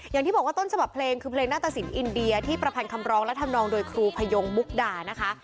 อย่างที่บอกว่าต้นฉบับเพลงคือเพลงหน้าตะสินอินเดียที่ประพันธ์คำร้องและทำนองโดยครูพยงมุกดานะคะ